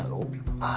ああ